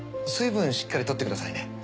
水分しっかりとってくださいね。